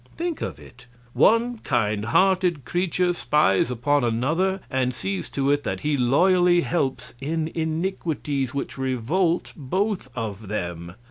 Think of it! One kind hearted creature spies upon another, and sees to it that he loyally helps in iniquities which revolt both of them.